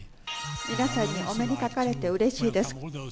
皆さんにお目にかかれてうれしいです。